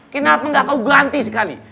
kenapa nggak kau ganti sekali